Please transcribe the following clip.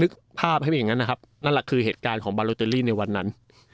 นึกภาพให้เป็นอย่างเง่านั้นนั่นแหละคือเหตุการณ์ของแบลโบโตรีในวันนั้น